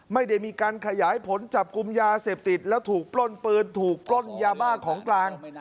ไม่ได้มีการขยายผลจับกลุ่มยาเสพติดแล้วถูกปล้นปืนถูกปล้นยาบ้าของกลาง